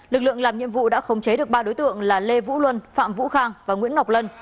lực lượng làm nhiệm vụ đã khống chế được ba đối tượng là lê vũ luân phạm vũ khang và nguyễn ngọc lân